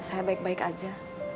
saya baik baik aja